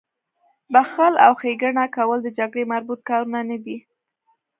بخښل او ښېګڼه کول د جګړې مربوط کارونه نه دي